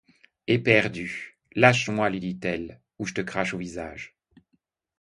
Éperdue: — Lâche-moi, lui dit-elle, ou je te crache au visage!